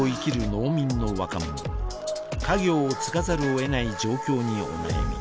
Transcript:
家業を継がざるをえない状況にお悩み。